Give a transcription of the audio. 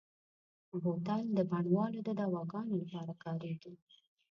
بوتل د بڼوالو د دواګانو لپاره کارېږي.